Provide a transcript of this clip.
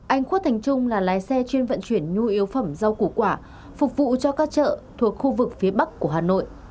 anh khuất thành trung là lái xe chuyên vận chuyển nhu yếu phẩm rau củ quả phục vụ cho các chợ thuộc khu vực phía bắc của hà nội